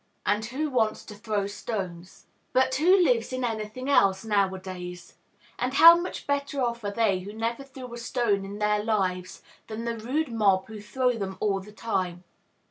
And who wants to throw stones? But who lives in any thing else, nowadays? And how much better off are they who never threw a stone in their lives than the rude mob who throw them all the time?